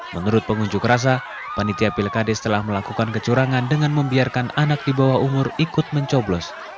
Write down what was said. menurut pengunjuk rasa panitia pilkades telah melakukan kecurangan dengan membiarkan anak di bawah umur ikut mencoblos